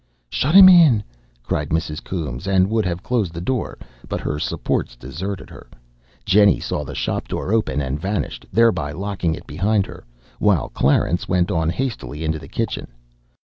"Shut 'im in!" cried Mrs. Coombes, and would have closed the door, but her supports deserted her; Jennie saw the shop door open, and vanished thereby, locking it behind her, while Clarence went on hastily into the kitchen.